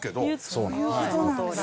そういう事なんだ。